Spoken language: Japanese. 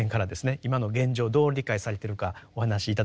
今の現状をどう理解されてるかお話し頂けますか？